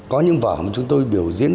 có những vở mà chúng tôi biểu diễn